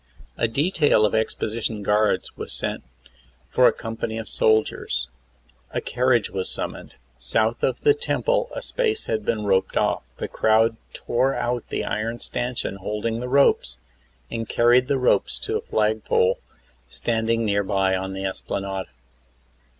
A detail of exposition guards was sent for a company of soldiers. A car riage was summoned. South of the Temple a space had been roped off. The crowd tore out the iron stanchion holding the ropes and carried the ropes to the flagpole standing near by on the esplanade.